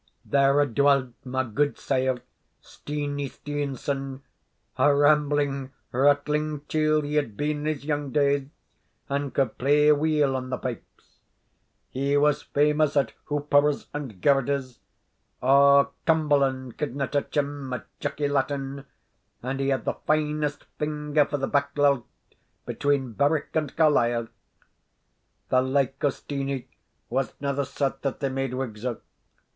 There dwelt my gudesire, Steenie Steenson; a rambling, rattling chiel' he had been in his young days, and could play weel on the pipes; he was famous at "hoopers and girders," a' Cumberland couldna touch him at "Jockie Lattin," and he had the finest finger for the back lilt between Berwick and Carlisle. The like o' Steenie wasna the sort that they made Whigs o'.